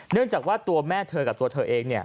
เนื่องจากว่าตัวแม่เธอกับตัวเธอเอง